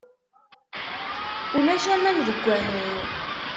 Ulac aman deg wanu.